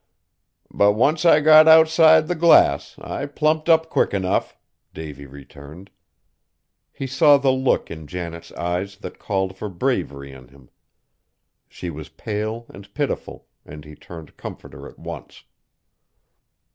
"But once I got outside the glass I plumped up quick enough!" Davy returned. He saw the look in Janet's eyes that called for bravery in him. She was pale and pitiful, and he turned comforter at once.